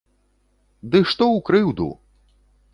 Ды што ў крыўду!